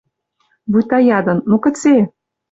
Вуйта ядын: «Ну, кыце?..»